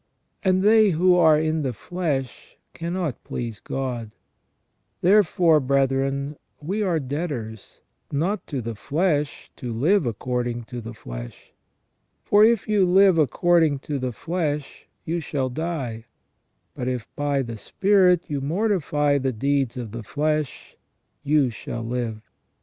And they who are in the flesh cannot please God. ... Therefore, brethren, we are debtors, not to the THE SECONDARY IMAGE OF GOD IN MAN 77 flesh, to live according to the flesh. For if you live according to the flesh you shall die ; but if by the spirit you mortify the deeds of the flesh you shall live.